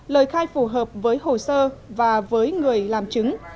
lời khai phù hợp với hồ sơ và với người làm chứng